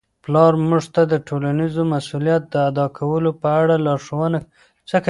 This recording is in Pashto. پلار موږ ته د ټولنیز مسؤلیت د ادا کولو په اړه لارښوونه کوي.